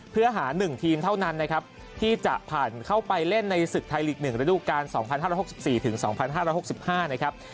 เพื่อหา๑ทีมเท่านั้นนะครับที่จะผ่านเข้าไปเล่นในศึกไทยลีก๑ฤดูการ๒๕๖๔ถึง๒๕๖๕นะครับ